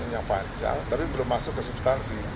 yang panjang tapi belum masuk ke substansi